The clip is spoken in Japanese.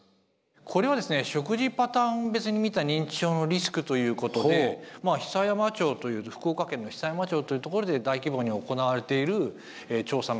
これはですね食事パターン別に見た認知症のリスクということで久山町という福岡県の久山町という所で大規模に行われている調査なんですけれども。